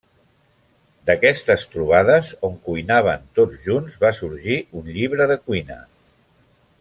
D'aquestes trobades on cuinaven tots junts, va sorgir un llibre de cuina.